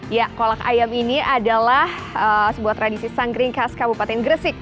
ya kolak ayam ini adalah sebuah tradisi sangkring khas kabupaten gresik